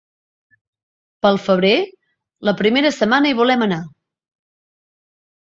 Pel febrer, la primera setmana hi volem anar.